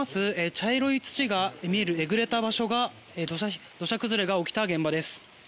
茶色い土が見えるえぐれた場所が土砂崩れが起きた現場です。